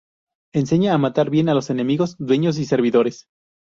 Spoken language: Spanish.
Enseña a matar bien a los enemigos, dueños y servidores.